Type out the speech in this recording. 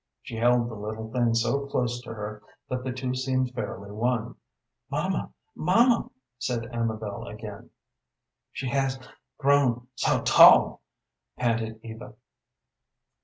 She held the little thing so close to her that the two seemed fairly one. "Mamma, mamma!" said Amabel again. "She has grown so tall," panted Eva.